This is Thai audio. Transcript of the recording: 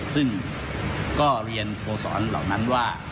ซึ่งก็เรียนโคศรเหล่านั้นว่า